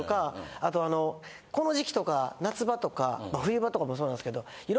あとあのこの時期とか夏場とか冬場とかもそうなんですけど。